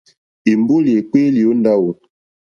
Èmbólì èkpéélì ó ndáwò.